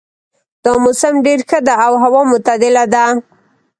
دا موسم ډېر ښه ده او هوا معتدله ده